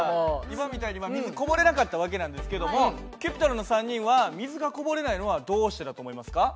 今みたいに水こぼれなかった訳なんですけどもＣｕｐｉｔｒｏｎの３人は水がこぼれないのはどうしてだと思いますか？